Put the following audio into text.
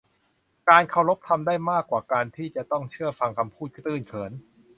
การเคารพทำได้มากกว่าการที่จะต้องเชื่อฟังคำพูดตื้นเขิน